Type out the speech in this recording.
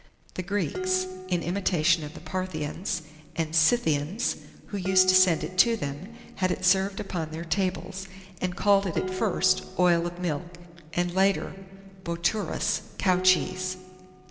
The Greeks, in imitation of the Parthians and Scythians, who used to send it to them, had it served upon their tables, and called it at first "oil of milk," and later, bouturos, "cow cheese."